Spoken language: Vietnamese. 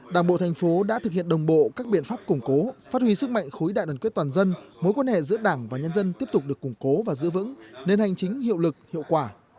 đảng bộ thành phố đã thực hiện đồng bộ các biện pháp củng cố phát huy sức mạnh khối đại đoàn kết toàn dân mối quan hệ giữa đảng và nhân dân tiếp tục được củng cố và giữ vững nên hành chính hiệu lực hiệu quả